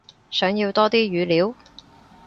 想要多啲語料？